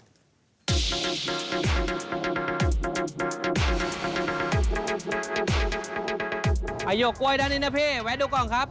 หายวกกล้วยด้านอินเตอร์เพศแวะดูก่อนครับ